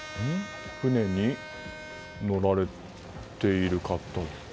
船に乗られている方。